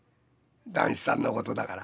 談志さんのことだから。